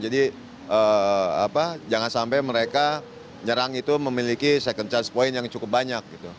jadi jangan sampai mereka menyerang itu memiliki second chance point yang cukup banyak